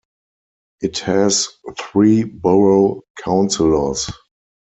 It has three borough councillors.